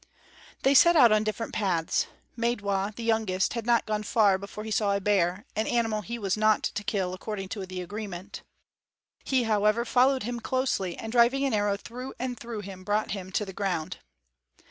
They set out on different paths. Maidwa, the youngest, had not gone far before he saw a bear, an animal he was not to kill, according to the agreement. He, however, followed him closely, and driving an arrow through and through him, brought him to the ground.